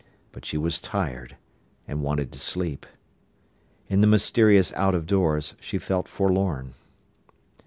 But she was tired, and wanted to sleep. In the mysterious out of doors she felt forlorn.